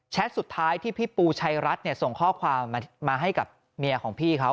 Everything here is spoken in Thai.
สุดท้ายที่พี่ปูชัยรัฐส่งข้อความมาให้กับเมียของพี่เขา